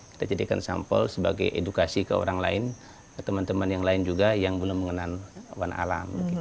kita jadikan sampel sebagai edukasi ke orang lain ke teman teman yang lain juga yang belum mengenal awan alam